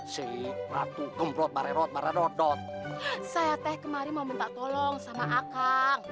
saya teh kemari mau minta tolong sama akang